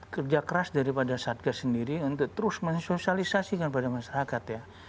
kerja keras daripada satgas sendiri untuk terus mensosialisasikan pada masyarakat ya